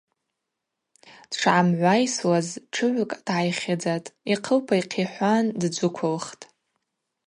Дшгӏамгӏвайсуаз тшыгӏвкӏ дгӏайхьыдзатӏ, йхъылпа йхъихӏван дджвыквылхтӏ.